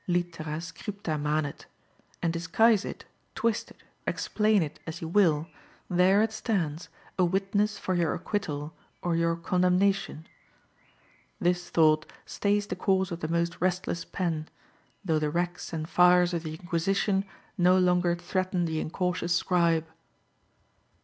Litera scripta manet; and disguise it, twist it, explain it, as you will, there it stands, a witness for your acquittal or your condemnation. This thought stays the course of the most restless pen, though the racks and fires of the Inquisition no longer threaten the incautious scribe.